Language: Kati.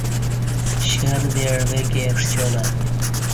ـشیردے ،عوہ کے، ݜیولہ